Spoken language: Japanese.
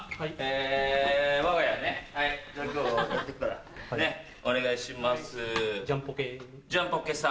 じゃあ今日やってくからお願いします。